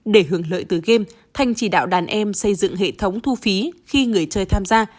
để hưởng lợi từ game thanh chỉ đạo đàn em xây dựng hệ thống thu phí khi người chơi tham gia